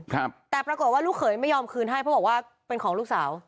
ครับแต่ปรากฏว่าลูกเขยไม่ยอมคืนให้เพราะบอกว่าเป็นของลูกสาว